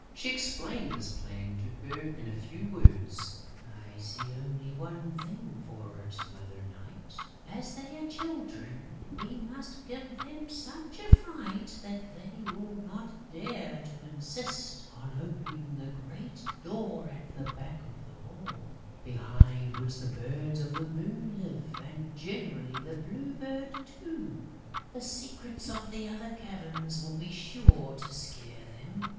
She explained this plan to her in a few words: "I see only one thing for it, Mother Night: as they are children, we must give them such a fright that they will not dare to insist on opening the great door at the back of the hall, behind which the Birds of the Moon live and generally the Blue Bird too. The secrets of the other caverns will be sure to scare them.